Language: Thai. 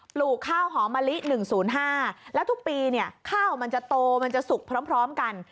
ลูกข้าวหอมมะลิ๑๐๕แล้วทุกปีเนี่ยข้าวมันจะโตมันจะสุกพร้อมกัน